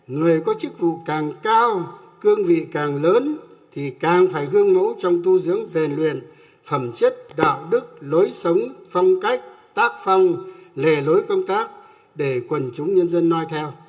người có chức vụ càng cao cương vị càng lớn thì càng phải gương mẫu trong tu dưỡng rèn luyện phẩm chất đạo đức lối sống phong cách tác phong lề lối công tác để quần chúng nhân dân nói theo